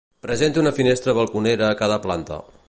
Presenta una finestra balconera a cada planta.